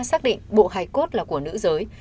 xác định bộ hải cốt là của nữ giới